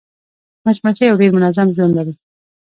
مچمچۍ یو ډېر منظم ژوند لري